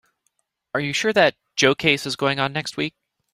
Are you sure that Joe case is going on next week?